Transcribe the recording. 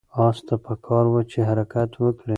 آس ته پکار وه چې حرکت وکړي.